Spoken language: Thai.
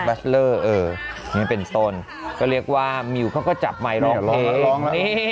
บัตเตอร์อ่านี่เป็นต้นก็เรียกว่ามิวเขาก็จับไมค์ร้องเพลง